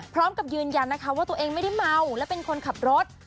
ยืนยันนะคะว่าตัวเองไม่ได้เมาและเป็นคนขับรถ